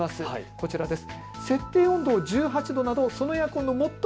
こちらです。